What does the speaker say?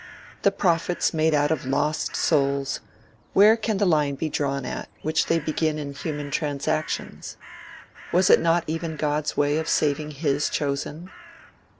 The profits made out of lost souls—where can the line be drawn at which they begin in human transactions? Was it not even God's way of saving His chosen?